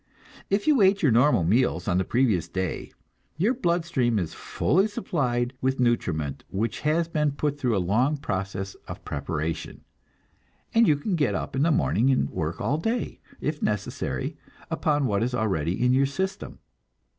If you ate your normal meals on the previous day, your blood stream is fully supplied with nutriment which has been put through a long process of preparation, and you can get up in the morning and work all day, if necessary, upon what is already in your system.